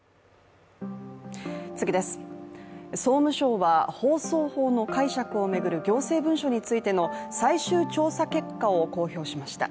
次です、総務省は放送法の解釈を巡る行政文書についての最終調査結果を公表しました。